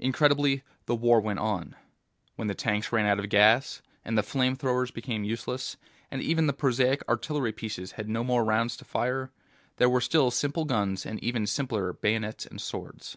Incredibly, the war went on. When the tanks ran out of gas, and the flame throwers became useless, and even the prosaic artillery pieces had no more rounds to fire, there were still simple guns and even simpler bayonets and swords.